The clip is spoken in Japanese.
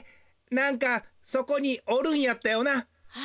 なんかそこにおるんやったよな？